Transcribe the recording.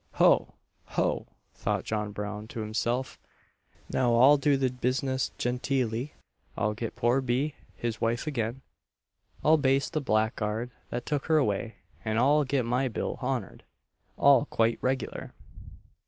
"Ho! ho!" thought John Brown to himself, "now I'll do the business genteelly I'll get poor B. his wife again I'll baste the blackguard that took her away, and I'll get my bill honoured, all quite regular."